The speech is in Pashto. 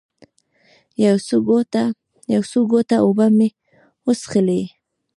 یو څو ګوټه اوبه مې وڅښلې.